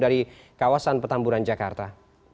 dari kawasan petamburan jakarta